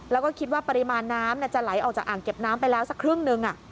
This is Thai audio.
แล้วก็คิดว่าปริมาณน้ำจะไหลออกจากอ่างเก็บน้ำไปแล้วสักครึ่งหนึ่ง